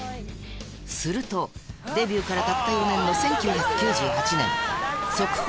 すると、デビューからたった４年の１９９８年、速報！